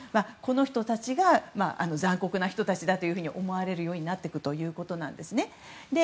この人たちが残酷な人たちだと思われるようになっていくということです。